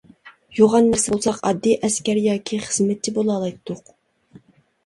يوغان نەرسە بولساق ئاددىي ئەسكەر ياكى خىزمەتچى بولالايتتۇق.